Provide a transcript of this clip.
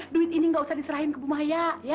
duit ini gak usah diserahin ke bu maya ya